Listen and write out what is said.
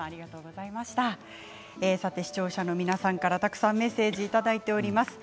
視聴者の皆さんからたくさんメッセージをいただいております。